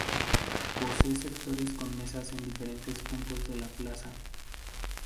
Posee sectores con mesas en diferentes puntos de la plaza.